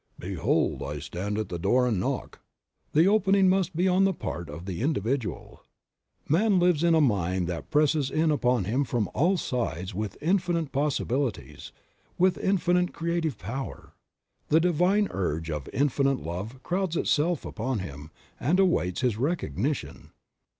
"Behold, I stand at the door and knock" ; the opening must be on the part of the individual. 8 Creative Mind. Man lives in a mind that presses in upon him from all sides with infinite possibilities, with infinite creative power. The divine urge of infinite love crowds itself upon him, and awaits his recognition.